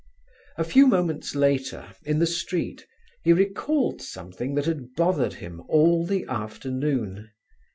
A few moments later, in the street, he recalled something that had bothered him all the afternoon.